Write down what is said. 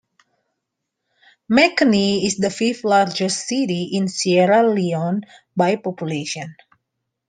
Makeni is the fifth largest city in Sierra Leone by population.